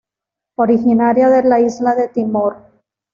Originaria de la isla de Timor.